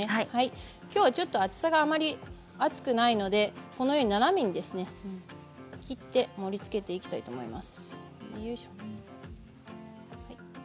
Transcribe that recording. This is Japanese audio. きょうは厚さがあまり厚くないので斜めに切って盛りつけていきたいと思います。